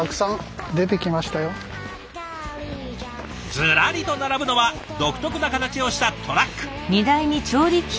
ずらりと並ぶのは独特な形をしたトラック。